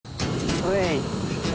はい。